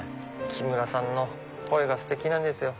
木村さんの声がステキなんですよ。